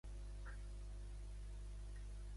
Telefona a la Nagore Velayos.